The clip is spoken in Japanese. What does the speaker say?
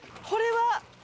これは。